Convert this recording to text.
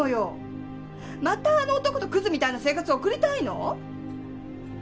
またあの男とクズみたいな生活を送りたいの？